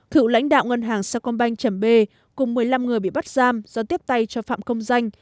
thự lãnh đạo ngân hàng sacombank chẩm bê cùng một mươi năm người bị bắt giam do tiếp tay cho phạm không danh